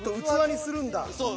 そう。